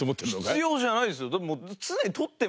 必要じゃないですよ。